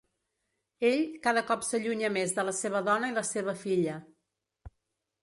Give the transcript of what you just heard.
Ell cada cop s'allunya més de la seva dona i la seva filla.